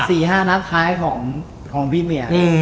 ตอนที่กำลังรู้แต่๔๕นับคล้ายของพี่เมีย